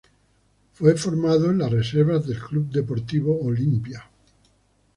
Fue formado en las reservas del Club Deportivo Olimpia.